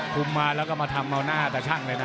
คุมมาแล้วก็มาทำเอาหน้าตาชั่งเลยนะ